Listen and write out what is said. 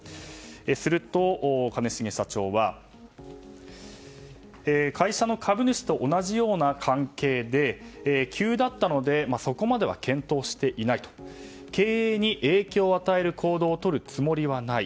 すると、兼重社長は会社の株主と同じような関係で急だったのでそこまでは検討していないと。経営に影響を与える行動をとるつもりはない。